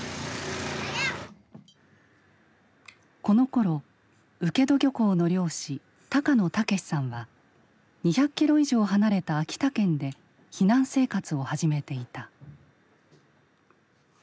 このころ請戸漁港の漁師高野武さんは２００キロ以上離れた秋田県で避難生活を始めていた。